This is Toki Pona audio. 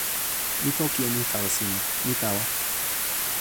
mi toki e ni tawa sina: mi tawa.